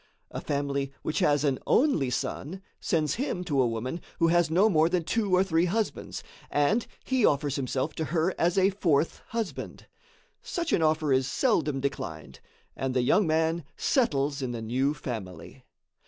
A family which has an only son sends him to a woman who has no more than two or three husbands, and he offers himself to her as a fourth husband. Such an offer is seldom declined, and the young man settles in the new family.